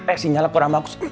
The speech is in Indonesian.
eh sinyalnya kurang bagus